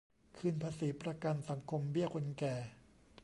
คืนภาษี ประกันสังคม เบี้ยคนแก่